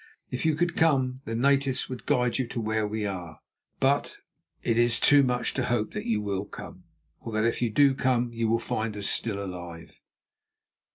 If you could come, the natives would guide you to where we are. "But it is too much to hope that you will come, or that if you do come you will find us still alive.